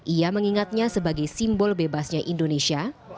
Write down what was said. ia mengingatnya sebagai simbol bebasnya indonesia